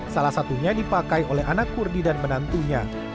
salah satunya dipakai oleh anak kurdi dan menantunya